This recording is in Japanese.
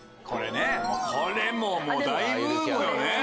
これねこれももう大ブームよね。